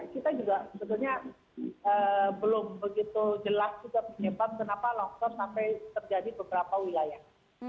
kita juga sebetulnya belum begitu jelas juga penyebab kenapa longsor sampai terjadi beberapa wilayah